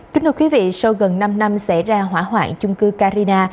kính thưa quý vị sau gần năm năm xảy ra hỏa hoạn chung cư carina